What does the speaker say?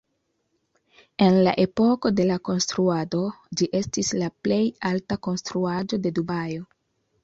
En la epoko de la konstruado, ĝi estis la plej alta konstruaĵo de Dubajo.